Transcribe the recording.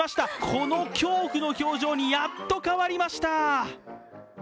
この恐怖の表情にやっと変わりました。